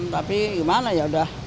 tapi gimana ya udah